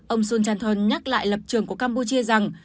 ông sul chan thon nhắc lại lập trường của campuchia rằng